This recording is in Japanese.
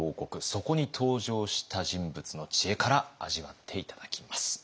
そこに登場した人物の知恵から味わって頂きます。